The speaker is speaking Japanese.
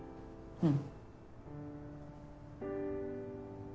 うん。